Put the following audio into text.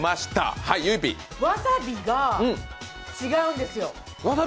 わさびが違うんですよ。